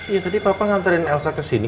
iya tadi papa nganterin elsa kesini